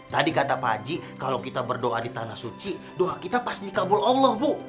tadi kata pak haji kalau kita berdoa di tanah suci doa kita pasti kabul allah bu